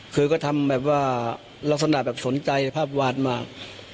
คือก็ทำแบบว่าลักษณะแบบสนใจภาพวาดมาก